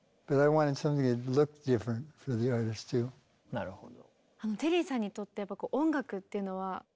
なるほど。